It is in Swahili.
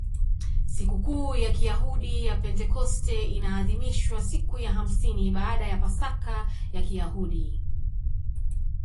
Sikukuu ya Kiyahudi ya Pentekoste inaadhimishwa siku ya hamsini baada ya Pasaka ya Kiyahudi.